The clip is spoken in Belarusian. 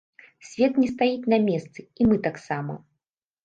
Свет не стаіць на месцы, і мы таксама.